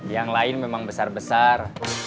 yang lain memang besar besar